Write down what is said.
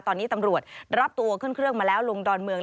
ตอนนี้ตำรวจรับตัวขึ้นเครื่องมาแล้วลงดอนเมือง